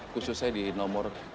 khususnya di nomor